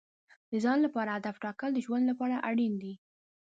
د ځان لپاره هدف ټاکل د ژوند لپاره اړین دي.